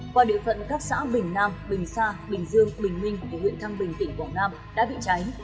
qua địa phận các xã bình nam bình sa bình dương bình minh của huyện thăng bình tỉnh quảng nam đã bị cháy